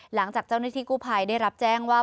หลังจากเจ้าหน้าที่กู้ภัยได้รับแจ้งว่า